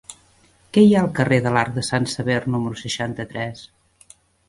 Què hi ha al carrer de l'Arc de Sant Sever número seixanta-tres?